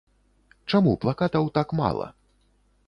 Чаму плакатаў так мала?